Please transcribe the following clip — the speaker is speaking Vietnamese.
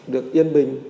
được yên bình